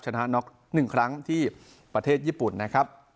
ชนะน็อก๑ครั้งที่ประเทศญี่ปุ่นนะครับ